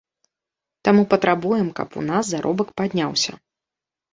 Таму патрабуем, каб у нас заробак падняўся.